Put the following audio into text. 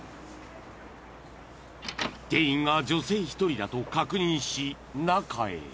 ［店員が女性１人だと確認し中へ］